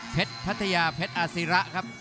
เพชรภัทยาเพชรอาสีระครับ